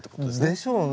でしょうね。